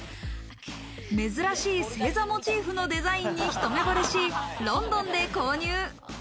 珍しい星座モチーフのデザインにひと目ぼれし、ロンドンで購入。